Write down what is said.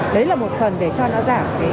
đấy là một phần để cho nó giảm cái